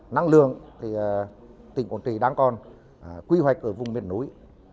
năng lượng thì tỉnh quảng trị đang còn quy hoạch ở vùng miền núi